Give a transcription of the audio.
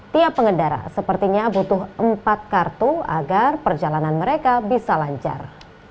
tiap pengendara sepertinya butuh empat kartu agar perjalanan mereka bisa lancar